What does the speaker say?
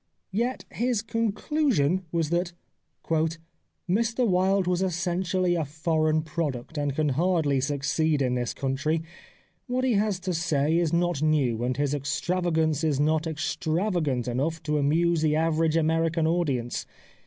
Yet his conclusion was that " Mr Wilde was essentially a foreign product and can hardly succeed in this country. What he has to say is not new, and his extravagance is not extra vagant enough to amuse the average American audience.